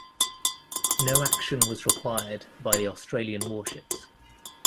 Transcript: No action was required by the Australian warships.